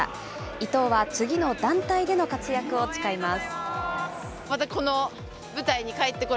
伊藤は次の団体での活躍を誓います。